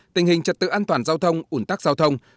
tình hình trật tự an toàn giao thông ủn tắc giao thông